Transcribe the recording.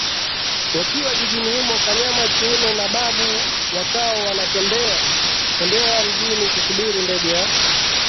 Wakiwa jijini humo Kanyama Chiume na Babu wakawa wanatembea tembea mjini kusubiri ndege ya